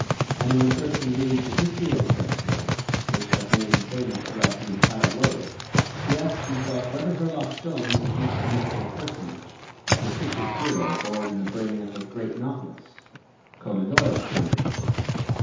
And when a person reads the history of his exploits, which have made him famous throughout the entire world, he asks himself whether Herlock Sholmes is not a mythical personage, a fictitious hero born in the brain of a great novelist—Conan Doyle, for instance.